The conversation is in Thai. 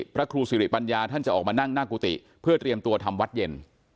พระครูสิริปัญญาท่านจะออกมานั่งหน้ากุฏิเพื่อเตรียมตัวทำวัดเย็น